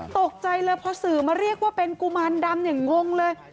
ตกใจเลยพอสื่อมาเรียกว่าเป็นกุมารดำอย่างงงเลย